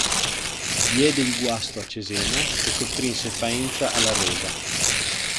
Diede il guasto a Cesena e costrinse Faenza alla resa.